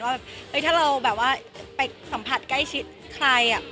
ว่าถ้าเราไปสัมผัสใกล้ใกล้ชิดใครอะ